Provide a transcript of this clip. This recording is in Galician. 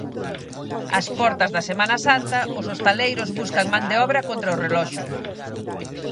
Ás portas da Semana Santa, os hostaleiros buscan man de obra contra o reloxo.